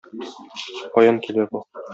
Каян килә бу?